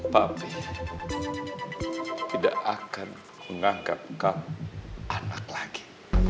tapi tidak akan menganggap kamu anak lagi